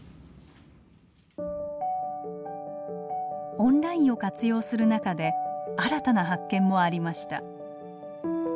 オンラインを活用する中で新たな発見もありました。